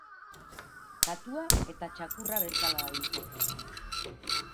Katua eta txakurra bezala dabiltza.